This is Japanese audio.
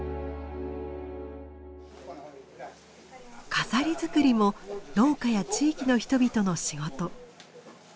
飾り作りも農家や地域の人々の仕事。